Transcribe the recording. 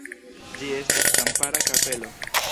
Ĝi estas kampara kapelo.